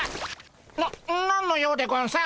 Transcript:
な何の用でゴンス？